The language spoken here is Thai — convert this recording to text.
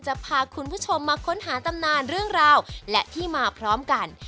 จะพาคุณผู้ชมมาค้นหาตำนานเรื่องราวและที่มาพร้อมกัน